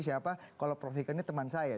siapa kalau prof ikan ini teman saya